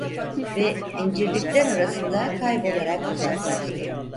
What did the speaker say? Ve incirlikler arasında kaybolarak uzaklaştı.